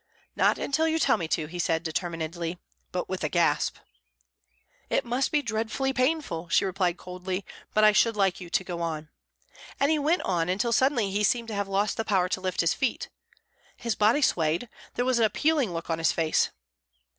"Not until you tell me to," he said determinedly, but with a gasp. "It must be dreadfully painful," she replied coldly, "but I should like you to go on." And he went on until suddenly he seemed to have lost the power to lift his feet. His body swayed; there was an appealing look on his face.